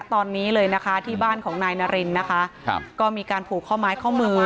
ตอนนี้เลยนะคะที่บ้านของนายนารินนะคะครับก็มีการผูกข้อไม้ข้อมือ